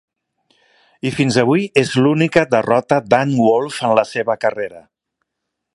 I fins avui és l'única derrota d'Ann Wolfe en la seva carrera.